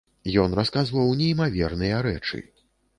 Ён расказваў неймаверныя рэчы.